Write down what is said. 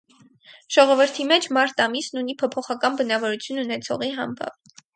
Ժողովրդի մեջ մարտ ամիսն ունի փոփոխական բնավորություն ունեցողի համբավ։